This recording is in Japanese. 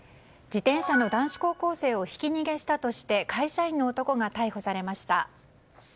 自転車の男子高校生をひき逃げしたとして会社員の男が逮捕されました。